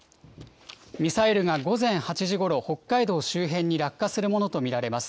ミサイルが午前８時ごろ、北海道周辺に落下するものと見られます。